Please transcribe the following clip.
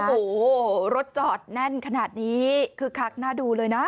โอ้โหรถจอดแน่นขนาดนี้คึกคักน่าดูเลยนะ